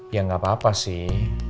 ya nggak apa apa sih